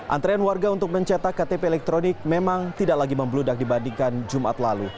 antrean warga untuk mencetak ktp elektronik memang tidak lagi membeludak dibandingkan jumat lalu